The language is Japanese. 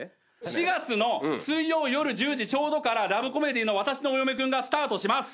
４月の水曜夜１０時ちょうどからラブコメディーの『わたしのお嫁くん』がスタートします。